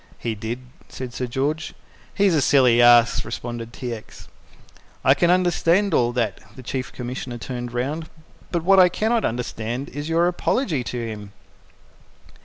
"He did," said Sir George. "He's a silly ass," responded T. X. "I can understand all that" the Chief Commissioner turned round "but what I cannot understand is your apology to him."